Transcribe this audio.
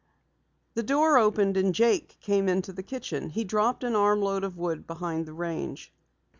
The door opened and Jake came into the kitchen. He dropped an armload of wood behind the range.